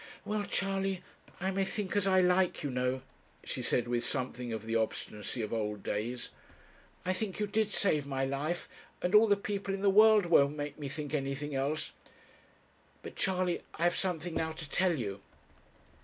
'Well, Charley, I may think as I like, you know,' she said, with something of the obstinacy of old days. 'I think you did save my life, and all the people in the world won't make me think anything else; but, Charley, I have something now to tell you.'